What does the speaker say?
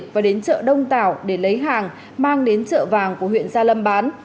và đến chợ đông tảo để lấy hàng mang đến chợ vàng của huyện gia lâm bán